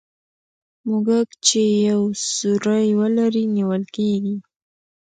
موږک چي یو سوری ولري نیول کېږي.